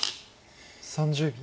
３０秒。